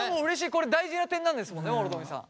これ大事な点なんですもんね諸富さん。